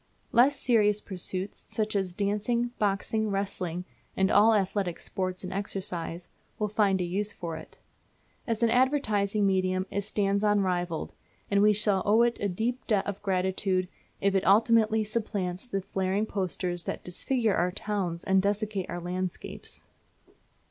Less serious pursuits, such as dancing, boxing, wrestling and all athletic sports and exercise, will find a use for it. As an advertising medium it stands unrivalled, and we shall owe it a deep debt of gratitude if it ultimately supplants the flaring posters that disfigure our towns and desecrate our landscapes.